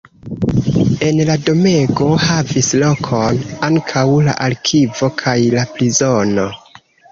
En la domego havis lokon ankaŭ la arkivo kaj la prizono.